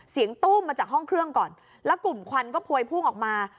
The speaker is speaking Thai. ตู้มมาจากห้องเครื่องก่อนแล้วกลุ่มควันก็พวยพุ่งออกมา